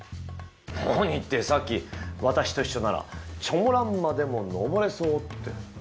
何ってさっき私と一緒ならチョモランマでも登れそうって。